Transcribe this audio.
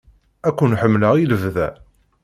Ad ken-ḥemmleɣ i lebda!